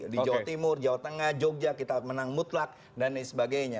di jawa timur jawa tengah jogja kita menang mutlak dan lain sebagainya